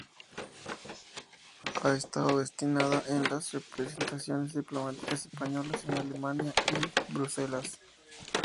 Ha estado destinada en las representaciones diplomáticas españolas en Alemania y Bruselas.